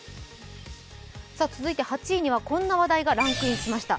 続いて８位にはこんな話題がランクインしました。